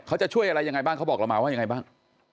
เขาจะช่วยอะไรยังไงบ้างเขาบอกเรามาว่ายังไงบ้าง